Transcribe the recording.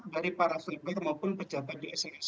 dari para feber maupun pejabat di sis satu